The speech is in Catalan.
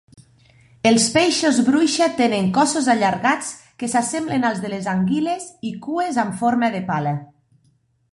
Els peixos bruixa tenen cossos allargats que s'assemblen als de les anguiles i cues amb forma de pala.